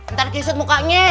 ntar kisut mukanya